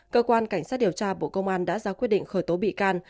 cơ quan cảnh sát điều tra bộ công an đã ra quyết định khởi tố bị can